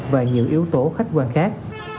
và nhiều yếu tố khách quan khác